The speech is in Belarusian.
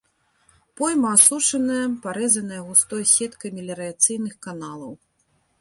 Пойма асушаная, парэзаная густой сеткай меліярацыйных каналаў.